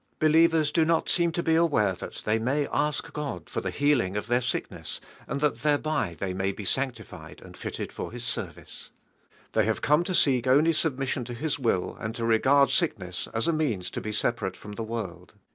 BeMev era do nut seem to be aware that they may ask God for the healing of their sick ness, am] that thereby they may be sanc tified and fitted for His service. They have come to seek only submission to His will and to regard sickness us a means to be separate from the world.